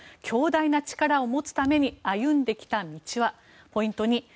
強大な力を持つために歩んできた道は。